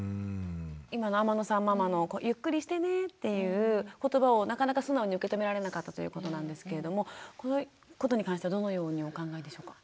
今の天野さんママの「ゆっくりしてね」っていう言葉をなかなか素直に受け止められなかったということなんですけれどもこのことに関してはどのようにお考えでしょうか？